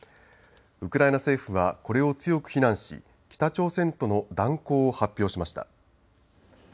ウクライナ政府はこれを強く非難し、北朝鮮との断交を発表しました。